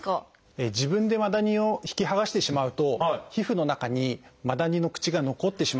自分でマダニを引き剥がしてしまうと皮膚の中にマダニの口が残ってしまうことがあります。